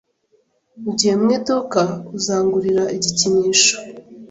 Ugiye mu iduka? Uzangurira igikinisho?